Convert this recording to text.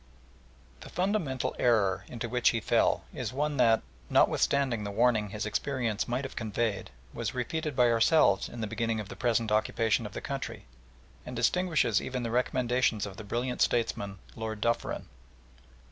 The fundamental error into which he fell is one that, notwithstanding the warning his experience might have conveyed, was repeated by ourselves in the beginning of the present occupation of the country, and distinguishes even the recommendations of the brilliant statesman, Lord Dufferin.